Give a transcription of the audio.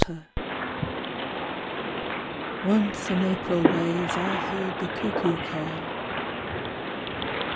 ONCE in April ways I heard the cuckoo call.